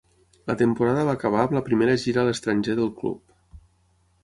La temporada va acabar amb la primera gira a l'estranger del club.